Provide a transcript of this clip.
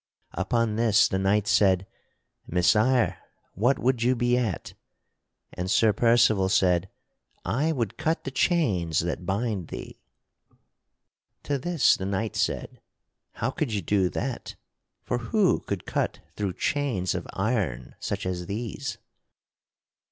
Upon this the knight said: "Messire, what would you be at?" And Sir Percival said: "I would cut the chains that bind thee." To this the knight said: "How could you do that? For who could cut through chains of iron such as these?"